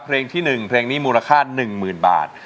เพลงที่๑เพลงนี้มูลค่า๑๐๐๐บาท